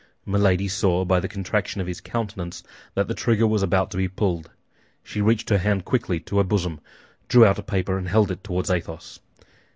Milady saw by the contraction of his countenance that the trigger was about to be pulled; she reached her hand quickly to her bosom, drew out a paper, and held it toward Athos.